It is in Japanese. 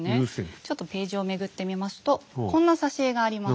ちょっとページをめくってみますとこんな挿絵があります。